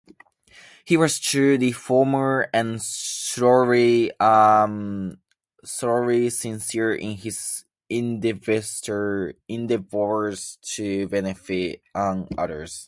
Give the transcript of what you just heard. He was a true reformer, and thoroughly sincere in his endeavors to benefit others.